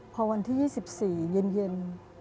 พอวันที่๒๔เย็น